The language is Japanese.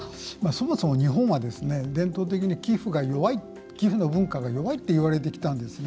そもそも日本は伝統的に寄付の文化が弱いっていわれてきたんですね。